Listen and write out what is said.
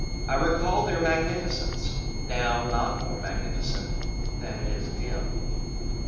I recall their magnificence, now not more magnificent than it is dim.